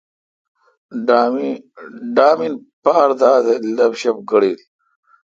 ڈامین پار داتے°لب ݭب گڑیل۔